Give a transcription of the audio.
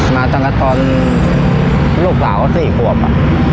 มาจังหกตอนลูกสาวสี่กว่าป่ะ